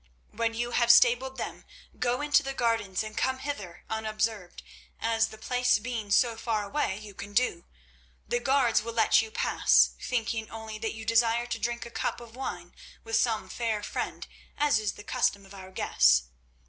When you have stabled them go into the gardens and come hither unobserved, as the place being so far away you can do. The guards will let you pass, thinking only that you desire to drink a cup of wine with some fair friend, as is the custom of our guests.